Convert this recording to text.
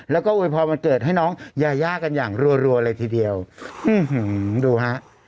แล้วก็โวยพรวันเกิดให้น้องยายากันอย่างรัวเลยทีเดียวดูฮะ